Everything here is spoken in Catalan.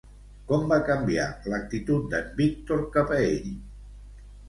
Com va canviar l'actitud d'en Víctor cap a ell?